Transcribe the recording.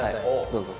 どうぞ。